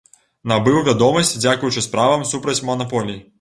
Набыў вядомасць дзякуючы справам супраць манаполій.